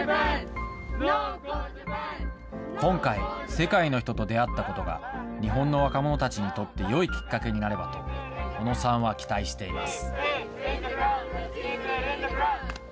今回、世界の人と出会ったことが、日本の若者たちにとって、よいきっかけになればと、小野さんは期待しています。